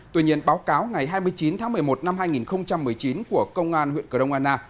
tuy nhiên báo cáo ngày hai mươi chín tháng một mươi một năm hai nghìn một mươi chín của công an huyện cờ rông anna